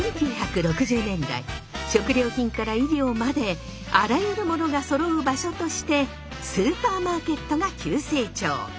１９６０年代食料品から衣料まであらゆるものがそろう場所としてスーパーマーケットが急成長。